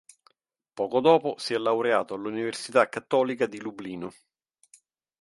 Poco dopo si è laureato all'Università Cattolica di Lublino.